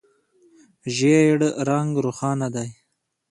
ژېړ رنګ روښانه دی.